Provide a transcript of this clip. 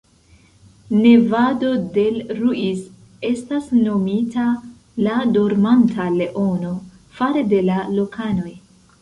Nevado del Ruiz estas nomita la "Dormanta Leono" fare de la lokanoj.